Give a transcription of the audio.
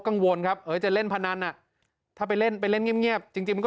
กังวลครับจะเล่นพนันน่ะถ้าไปเล่นไปเล่นเงียบจริงก็